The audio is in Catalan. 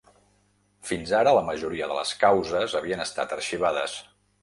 Fins ara la majoria de les causes havien estat arxivades.